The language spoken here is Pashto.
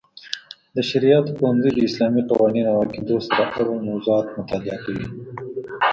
د شرعیاتو پوهنځی د اسلامي قوانینو او عقیدو سره اړوند موضوعاتو مطالعه کوي.